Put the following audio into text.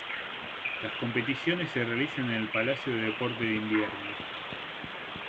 Las competiciones se realizaron en el Palacio de Deportes de Invierno.